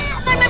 eh apaan tuh